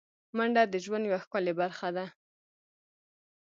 منډه د ژوند یوه ښکلی برخه ده